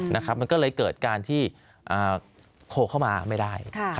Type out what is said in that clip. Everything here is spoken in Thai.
นะครับมันก็เลยเกิดการที่โคลเข้ามาไม่ได้